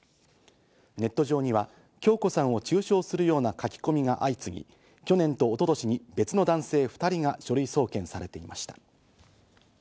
ネット上には響子さんを中傷するような書き込みが相次ぎ、去年と一昨年に別の男性２人が書類送検されていました。